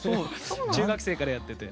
中学生からやってて。